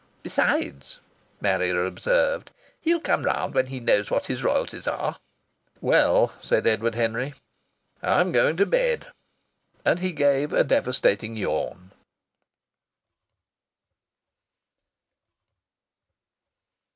"Besides," Marrier observed, "he'll come round when he knows what his royalties are." "Well," said Edward Henry, "I'm going to bed." And he gave a devastating yawn.